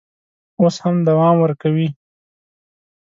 اوس هم دوام ورکوي.